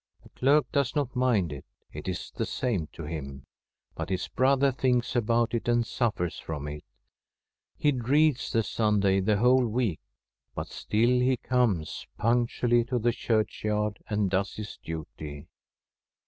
The clerk does not mind it, it is the same to him ; but his ' brother thinks about it and suffers from it ; he dreads the Sunday the whole week, but still he comes punctually to the churchyard and does his duty.